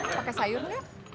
pake sayur gak